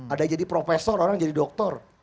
ada jadi profesor orang jadi doktor